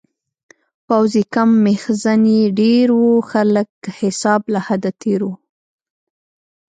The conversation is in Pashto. پوځ یې کم میخزن یې ډیر و-خلکه حساب له حده تېر و